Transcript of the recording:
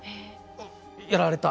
やられた。